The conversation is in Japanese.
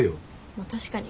まあ確かに。